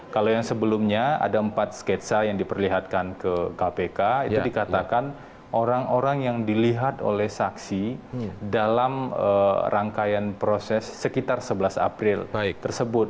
kalau yang sebelumnya ada empat sketsa yang diperlihatkan ke kpk itu dikatakan orang orang yang dilihat oleh saksi dalam rangkaian proses sekitar sebelas april tersebut